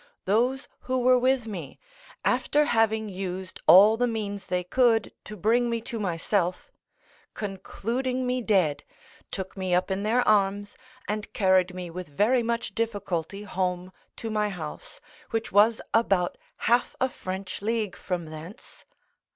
Those who were with me, after having used all the means they could to bring me to myself, concluding me dead, took me up in their arms, and carried me with very much difficulty home to my house, which was about half a French league from thence.